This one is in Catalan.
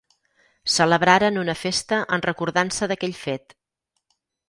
Celebraren una festa en recordança d'aquell fet.